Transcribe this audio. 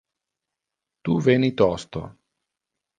Tu veni tosto.